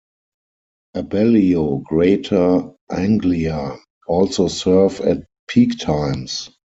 Abellio Greater Anglia also serve at peak times.